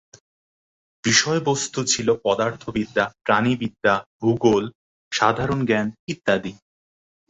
বিষয়বস্তু ছিল পদার্থ বিদ্যা, প্রাণীবিদ্যা, ভূগোল, সাধারণ জ্ঞান ইত্যাদি।